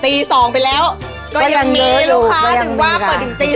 ตีสองไปแล้วก็ยังมีลูกค้าถึงว่าเปิดถึงตี